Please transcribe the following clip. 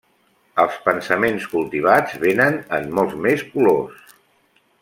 Els pensaments cultivats venen en molts més colors.